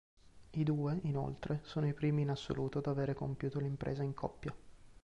I due, inoltre, sono i primi in assoluto ad aver compiuto l'impresa in coppia.